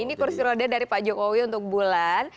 ini kursi roda dari pak jokowi untuk bulan